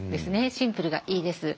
シンプルがいいです。